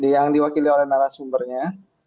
yang diwakili oleh narasumbernya